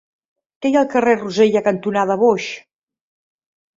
Què hi ha al carrer Rosella cantonada Boix?